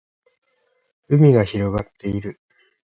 海が広がっている